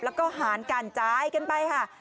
แล้วก็หารการจ่ายกันไปค่ะ